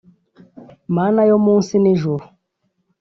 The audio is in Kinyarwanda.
Mana yo munsi n’ijuru